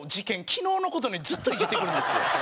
昨日の事のようにずっとイジってくるんですよ。